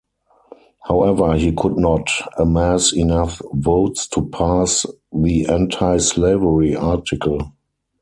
However he could not amass enough votes to pass the anti-slavery article.